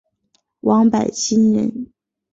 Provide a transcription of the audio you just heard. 王柏心人。